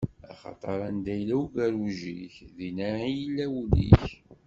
Axaṭer anda yella ugerruj-ik, dinna i yella wul-ik.